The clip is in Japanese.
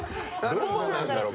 どうなんだろう。